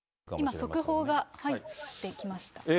今、速報が入ってきました。